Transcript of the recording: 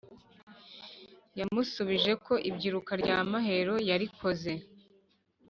Yamusubijeko ibyiruka ryamaheru yarikoze